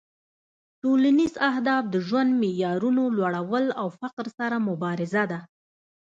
ټولنیز اهداف د ژوند معیارونو لوړول او فقر سره مبارزه ده